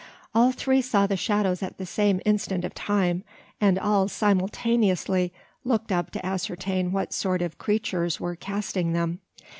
All three saw the shadows at the same instant of time; and all simultaneously looked up to ascertain what sort of creatures were casting them.